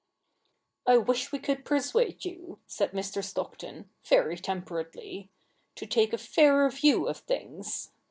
' I wish we could persuade you,' said Mr. Stockton, very temperately, ' to take a fairer view of things.